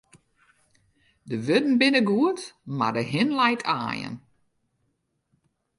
De wurden binne goed, mar de hin leit aaien.